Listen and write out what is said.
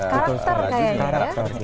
karakter kayaknya ya